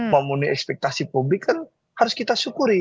memenuhi ekspektasi publik kan harus kita syukuri